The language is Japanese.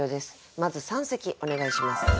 まず三席お願いします。